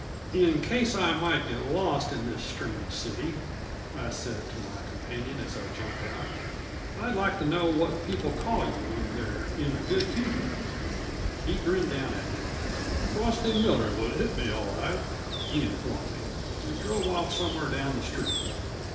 "In case I might get lost in this strange city," I said to my companion as I jumped out, "I'd like to know what people call you when they're in a good humor." He grinned down at me. "Frosty Miller would hit me, all right," he informed me, and drove off somewhere down the street.